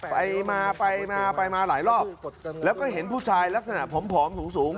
ไปมาไปมาไปมาหลายรอบแล้วก็เห็นผู้ชายลักษณะผอมสูงสูง